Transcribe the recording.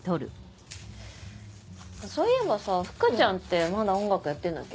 そういえばさ福ちゃんってまだ音楽やってんだっけ？